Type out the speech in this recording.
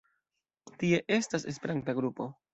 Tie estas esperanta grupo.